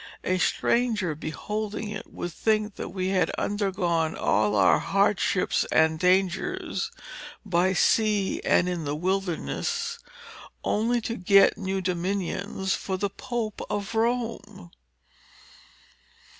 A stranger beholding it, would think that we had undergone all our hardships and dangers, by sea and in the wilderness, only to get new dominions for the Pope of Rome."